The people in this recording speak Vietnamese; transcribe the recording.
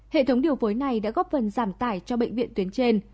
hệ thống điều phối này đã góp phần giảm tải cho bệnh viện tuyến trên